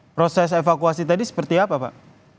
proses evakuasi tadi seperti apa pak